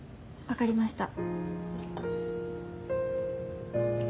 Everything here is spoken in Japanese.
わかりました。